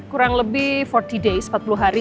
kurang lebih empat puluh hari